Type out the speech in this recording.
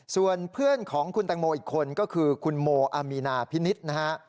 ส่วนเพื่อนของคุณแตงโมอีกคนก็คือคุณโมอามีนาพินิษฐ์นะฮะ